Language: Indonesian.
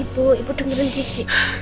ibu ibu dengerin gigi